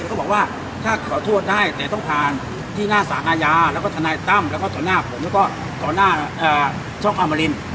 ก็บอกว่าถ้าขอโทษได้แต่ต้องผ่านที่หน้าสารอาญาแล้วก็ทนายตั้มแล้วก็ต่อหน้าผมแล้วก็ต่อหน้าช่องอมริน